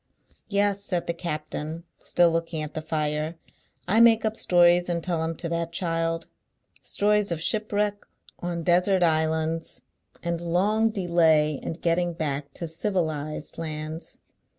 "Yes," said the captain, still looking at the fire, "I make up stories and tell 'em to that child. Stories of shipwreck on desert islands, and long delay in getting back to civilised lauds.